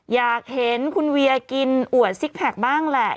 อยากเห็นคุณเวียกินอวดซิกแพคบ้างแหละ